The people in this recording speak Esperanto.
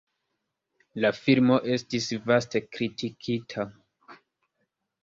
La filmo estis vaste kritikita.